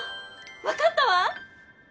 わかったわ！